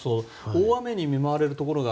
大雨に見舞われるところか